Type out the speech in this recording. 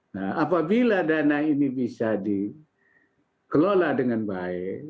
nah apabila dana ini bisa dikelola dengan baik